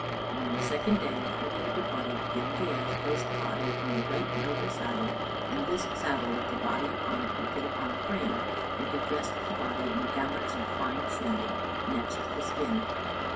And on the second day after he had departed, Gil Diaz placed the body upon a right noble saddle, and this saddle with the body upon it he put upon a frame; and he dressed the body in a gambax of fine sendal, next the skin.